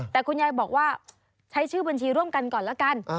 แต่คุณยายบอกว่าใช้ชื่อบัญชีร่วมกันก่อนแล้วกัน